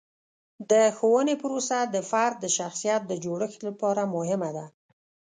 د ښوونې پروسه د فرد د شخصیت د جوړښت لپاره مهمه ده.